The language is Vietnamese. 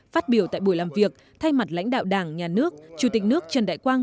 phát biểu tại buổi làm việc thay mặt lãnh đạo đảng nhà nước chủ tịch nước trần đại quang